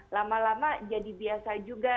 lama lama jadi biasa juga